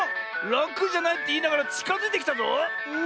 「ラクじゃない」っていいながらちかづいてきたぞ！